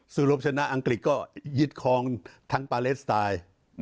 สู้รบชนะอังกฤษก็ยิดคลองทางปาเลสไทย